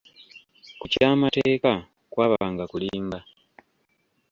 Ku ky'amateeka kwabanga kulimba.